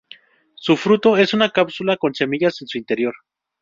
Su fruto es una cápsula con semillas en su interior.